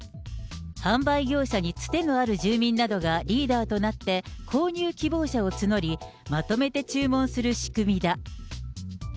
販売業者につてのある住民などがリーダーとなって、購入希望者を募り、まとめて注文する仕組みだ。